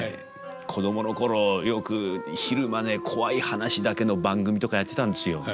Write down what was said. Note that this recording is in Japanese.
子供の頃よく昼間ねコワい話だけの番組とかやってたんですよ。